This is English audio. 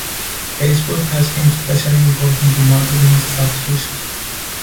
Facebook has been especially important to marketing strategists.